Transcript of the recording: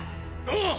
ああ！